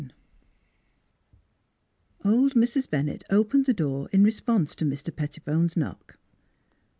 XI OLD Mrs. Bennett opened the door in re sponse to Mr. Pettibone's knock.